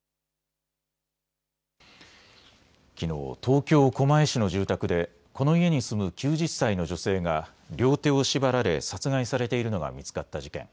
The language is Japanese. きのう東京狛江市の住宅でこの家に住む９０歳の女性が両手を縛られ殺害されているのが見つかった事件。